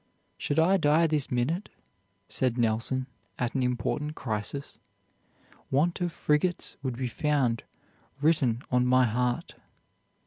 "Should I die this minute," said Nelson at an important crisis, "want of frigates would be found written on my heart."